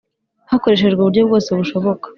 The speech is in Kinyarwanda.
hakoreshejwe uburyo bwose bushoboka: